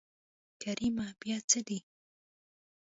کريمه بيا څه دي.